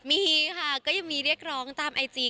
มีค่ะก็ยังมีเรียกร้องตามไอจี